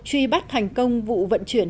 truy bắt thành công vụ vận chuyển